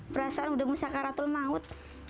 berasa udah musyakaratul maut